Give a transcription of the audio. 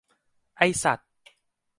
ไอ้สัส